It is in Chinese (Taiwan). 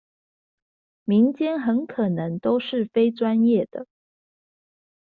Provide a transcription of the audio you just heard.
民間很可能都是非專業的